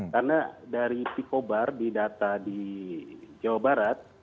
karena dari picobar di data di jawa barat